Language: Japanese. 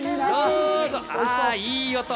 ああ、いい音。